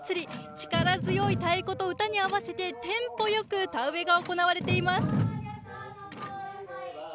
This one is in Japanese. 力強い太鼓と歌に合わせてテンポよく田植えが行われています。